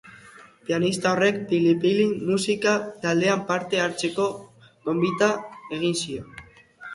Pianista horrek Pili Pili musika-taldean parte hartzeko gonbita egin zion.